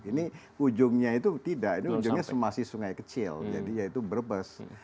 ini ujungnya itu tidak ini ujungnya masih sungai kecil jadi yaitu brebes